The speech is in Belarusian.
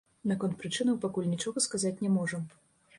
Наконт прычынаў пакуль нічога сказаць не можам.